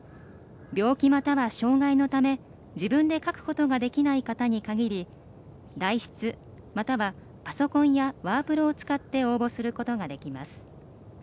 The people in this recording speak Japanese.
病気、または障害のため自分で書くことができない方に限り代筆、またはパソコンやワープロを使って応募することができます。